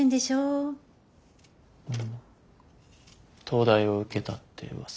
東大を受けたって噂。